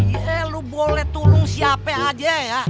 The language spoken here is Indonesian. eh lu boleh tolong siapa aja ya